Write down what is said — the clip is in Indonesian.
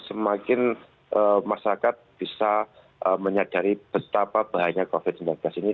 semakin masyarakat bisa menyadari betapa bahaya covid sembilan belas ini